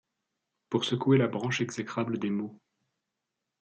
Pour secouer la branche exécrable des maux.